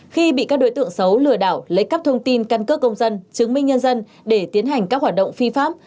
khi bị các đối tượng xấu lừa đảo lấy cắp thông tin căn cước công dân chứng minh nhân dân để tiến hành các hoạt động phi pháp